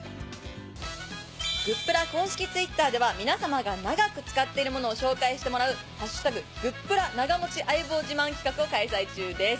グップラ公式Ｔｗｉｔｔｅｒでは皆様が長く使っている物を紹介してもらう「＃グップラ長持ち相棒自慢」企画を開催中です。